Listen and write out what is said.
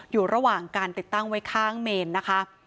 อยู่ระหว่างการติดตั้งไว้ข้างเมนนะคะ